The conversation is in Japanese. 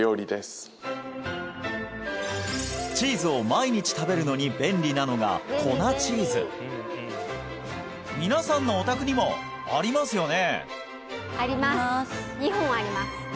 チーズを毎日食べるのに便利なのが粉チーズ皆さんのお宅にもありますよね？